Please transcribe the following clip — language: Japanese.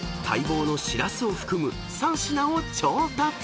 ［待望のしらすを含む３品を調達］